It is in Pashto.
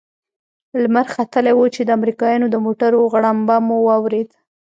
لمر ختلى و چې د امريکايانو د موټرو غړمبه مو واورېد.